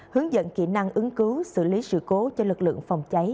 hướng dẫn kỹ năng ứng cứu xử lý sự cố cho lực lượng phòng cháy